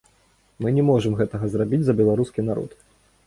Мы не можам гэтага зрабіць за беларускі народ.